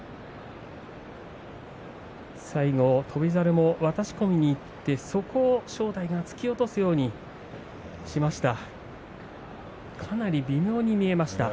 最後、翔猿も渡し込みにいってそこを正代が突き落とすようにしました。